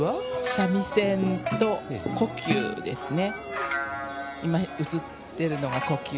三味線と、胡弓ですね。